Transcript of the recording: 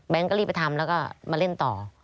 ก็รีบไปทำแล้วก็มาเล่นต่อ